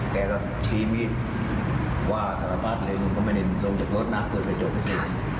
แต่ก็ชี้มีดว่าสารภาษณ์เลยลุงก็ไม่เห็นลงจากรถหน้าเปิดกับโจทย์ไปสิ